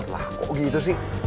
wah kok gitu sih